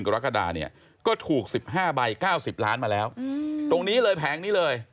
ไป๙๐ล้านมาแล้วตรงนี้เลยแผงนี้เลย